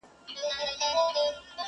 o بیا به خامخا یوه توره بلا وي,